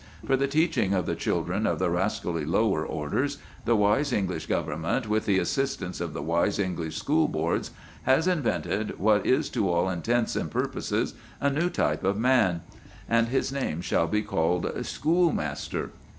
For the teaching of the children of the rascally lower orders, the wise English Government, with the assistance of the wise English school boards, has invented what is to all intents and purposes a new type of man. And his name shall be called Schoolmaster.